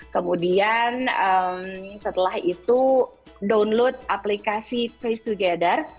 kemudian setelah itu download aplikasi facetogether